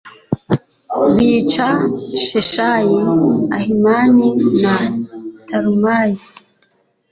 bica sheshayi, ahimani na talumayi